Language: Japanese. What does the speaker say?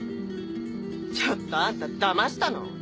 ちょっとあんた騙したの？